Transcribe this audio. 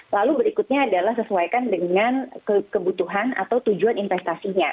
lalu berikutnya adalah sesuaikan dengan kebutuhan atau tujuan investasinya